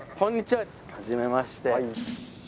はじめまして。